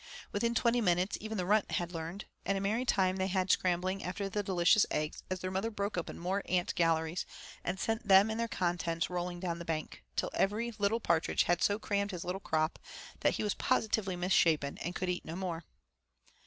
Within twenty minutes even the runt had learned, and a merry time they had scrambling after the delicious eggs as their mother broke open more ant galleries, and sent them and their contents rolling down the bank, till every little partridge had so crammed his little crop that he was positively misshapen and could eat no more.